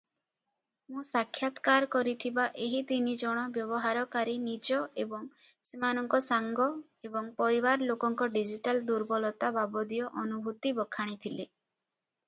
ମୁଁ ସାକ୍ଷାତକାର କରିଥିବା ଏହି ତିନି ଜଣ ବ୍ୟବହାରକାରୀ ନିଜ ଏବଂ ସେମାନଙ୍କ ସାଙ୍ଗ ଏବଂ ପରିବାର ଲୋକଙ୍କ ଡିଜିଟାଲ ଦୁର୍ବଳତା ବାବଦୀୟ ଅନୁଭୂତି ବଖାଣିଥିଲେ ।